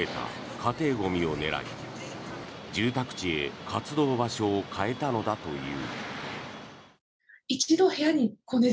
家庭ゴミを狙い住宅地へ活動場所を変えたのだという。